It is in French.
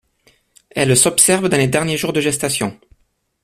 Elle s'observe dans les derniers jours de gestation.